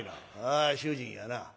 「ああ主人やな。